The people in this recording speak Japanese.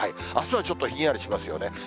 あすはちょっとひんやりしますよね。